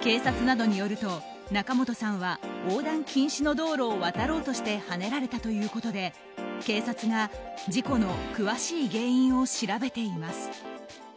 警察などによると仲本さんは横断禁止の道路を渡ろうとしてはねられたということで警察が事故の詳しい原因を調べています。